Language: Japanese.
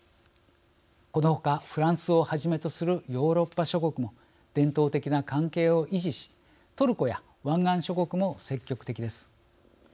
このほかフランスをはじめとするヨーロッパ諸国も伝統的な関係を維持しトルコや湾岸諸国も積極的です。